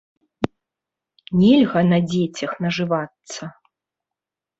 Нельга на дзецях нажывацца.